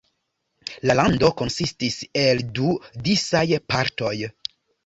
La lando konsistis el du disaj partoj.